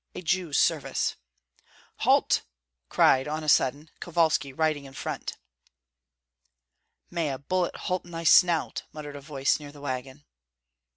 A Jew's service!" "Halt!" cried, on a sudden, Kovalski riding in front. "May a bullet halt in thy snout!" muttered a voice near the wagon.